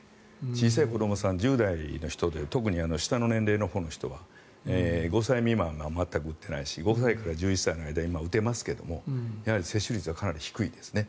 小さい子どもさん１０代の人で特に下の年齢の人は５歳未満は全く打ってないし５歳から１１歳の間は今打てますけども接種率はかなり低いですよね。